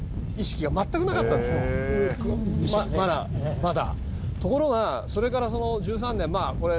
まだまだ。